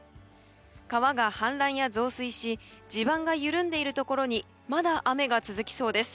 川が氾濫や増水し地盤が緩んでいるところにまだ雨が続きそうです。